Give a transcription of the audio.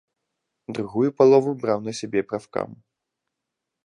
Другую палову браў на сябе прафкам.